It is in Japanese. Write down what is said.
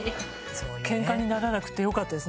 ケンカにならなくてよかったです。